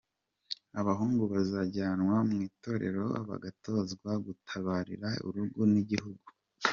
Abahungu bajyanwaga mu itorero bagatozwa gutabarira urugo n’igihugu.